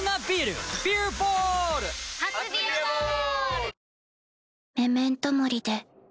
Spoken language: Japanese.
初「ビアボール」！